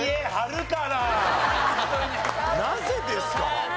なぜですか？